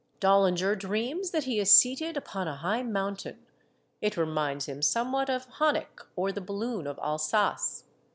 Dollinger dreams that he is seated upon a high mountain ; it reminds him somewhat of Honeck, or the Balloon of Alsace.